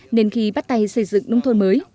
nên khi bắt tay xây dựng nông thôn mới